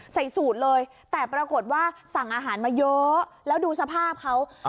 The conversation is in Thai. ใส่สูตรเลยแต่ปรากฏว่าสั่งอาหารมาเยอะแล้วดูสภาพเขา